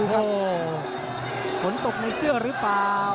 โดนท่องมีอาการ